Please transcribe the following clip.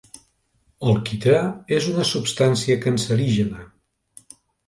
El quitrà és una substància cancerígena.